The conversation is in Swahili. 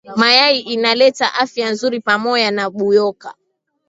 Mayayi inaleta afya nzuri pamoya na buyoka